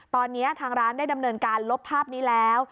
ตอนนี้ทางร้านได้ดำเนินการลบภาพนี้แล้ว